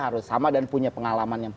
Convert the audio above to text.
harus sama dan punya pengalamannya